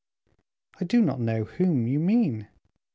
"I do not know whom you mean."